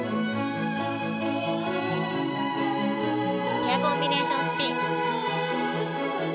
ペアコンビネーションスピン。